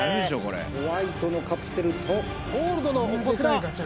ホワイトのカプセルとゴールドのこちら。